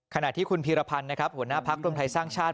ขณะที่คุณพีรพันธ์นะครับหัวหน้าพักรวมไทยสร้างชาติ